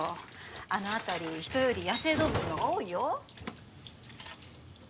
あの辺り人より野生動物のが多いよ